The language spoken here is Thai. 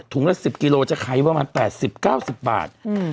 ละ๑๐กิโลจะขายประมาณ๘๐๙๐บาท